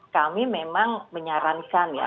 kami memang menyarankan ya